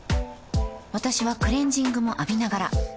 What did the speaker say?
私はクレジングも浴びながら